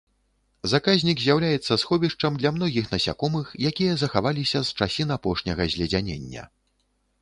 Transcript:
Заказнік з'яўляецца сховішчам для многіх насякомых, якія захаваліся з часін апошняга зледзянення.